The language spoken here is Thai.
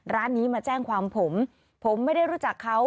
ร้านนี้มาแจ้งความผมผมไม่ได้รู้จักเขา